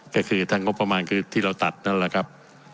ก็คือท่านงบประมาณคือที่เราตัดนั่นแหละครับ